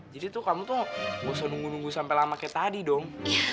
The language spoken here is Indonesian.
jadi tuh kamu tuh nggak usah nunggu nunggu sampe lama kayak tadi dong